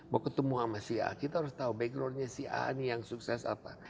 mau ketemu sama si a kita harus tahu backgroundnya si a ini yang sukses apa